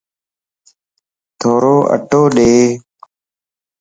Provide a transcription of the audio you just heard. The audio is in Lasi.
ٿورو اٽو ڏي